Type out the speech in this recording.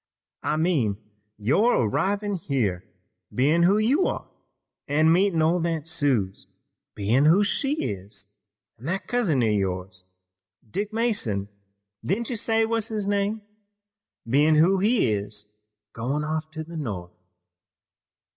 "I mean your arrivin' here, bein' who you are, an' your meetin' old Aunt Suse, bein' who she is, an' that cousin of yours, Dick Mason, didn't you say was his name, bein' who he is, goin' off to the North."